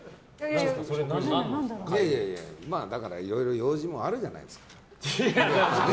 だからいろいろ用事とかあるじゃないですか。